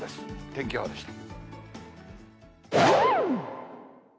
天気予報でした。